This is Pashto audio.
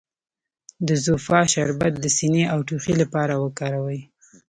د زوفا شربت د سینې او ټوخي لپاره وکاروئ